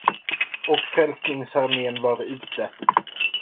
Och frälsningsarmén var ute.